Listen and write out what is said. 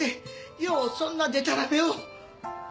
ようそんなでたらめを！